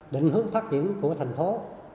định hướng phát triển của thành phố